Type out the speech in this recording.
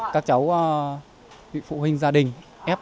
các cháu bị phụ huynh gia đình ép